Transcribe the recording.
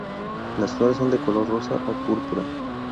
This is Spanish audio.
Las flores son de color rosa o púrpura.